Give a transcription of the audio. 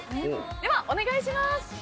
では、お願いします。